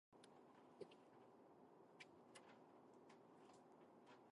He recorded on several different labels, including Columbia Records and Folkways Records.